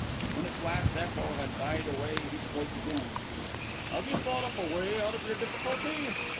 When its last echo had died away he spoke again. "Have you thought up a way out of your difficulty?"